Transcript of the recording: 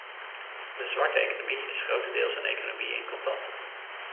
De zwarte economie is grotendeels een economie in contanten.